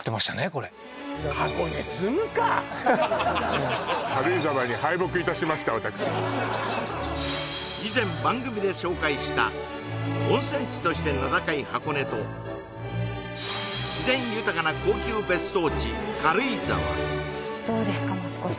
これ以前番組で紹介した温泉地として名高い箱根と自然豊かな高級別荘地軽井沢・どうですかマツコさん